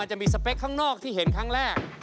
กับพอรู้ดวงชะตาของเขาแล้วนะครับ